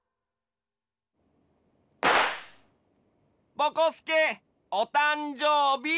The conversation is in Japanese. ぼこすけおたんじょうび。